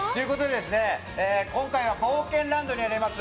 今回は冒険ランドにあります